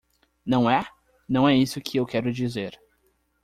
Não é?, não é isso que eu quero dizer.